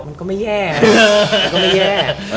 มันก็ไม่แย่